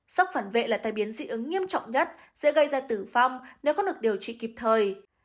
sốc phản vệ là tai biến dị ứng nghiêm trọng nhất sẽ gây ra tử vong nếu có được điều trị kịp thời